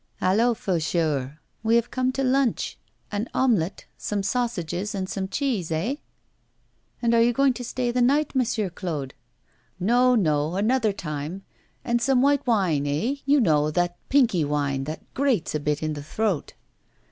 'Hallo, Faucheur! we have come to lunch. An omelette, some sausages, and some cheese, eh?' 'Are you going to stay the night, Monsieur Claude?' 'No, no; another time. And some white wine; eh? you know that pinky wine, that grates a bit in the throat.